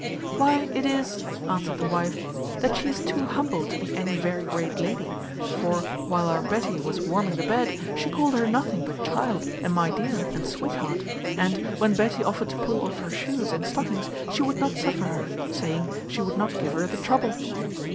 "Why, it is," answered the wife, "that she is too humble to be any very great lady: for, while our Betty was warming the bed, she called her nothing but child, and my dear, and sweetheart; and, when Betty offered to pull off her shoes and stockings, she would not suffer her, saying, she would not give her the trouble."